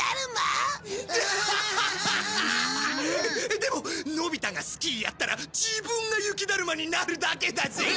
でものび太がスキーやったら自分が雪だるまになるだけだぜ。